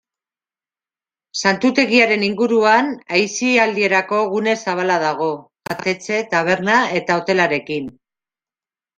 Santutegiaren inguruan aisialdirako gune zabala dago, jatetxe, taberna eta hotelarekin.